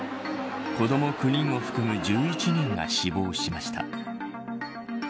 子ども９人を含む１１人が死亡しました。